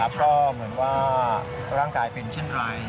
ก็เหมือนว่าร่างกายเป็นเช่นไร